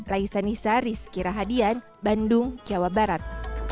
laisa nisari sekira hadian bandung jawa barat